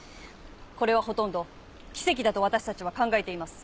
これはほとんど奇跡だと私たちは考えています。